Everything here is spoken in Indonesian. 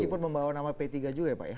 meskipun membawa nama p tiga juga ya pak ya